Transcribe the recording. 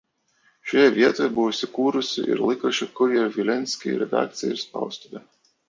Šioje vietoje buvo įsikūrusi ir laikraščio „Kurjer Wilenski“ redakcija ir spaustuvė.